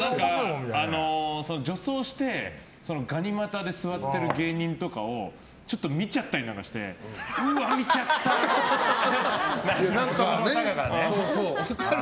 女装してがに股で座ってる芸人とかをちょっと見ちゃったりしてうわー、見ちゃったってなる。